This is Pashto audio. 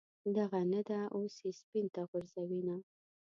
دغه نه ده، اوس یې سین ته غورځوینه.